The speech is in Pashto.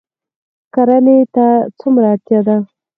کرنې ته څومره اړتیا ده؟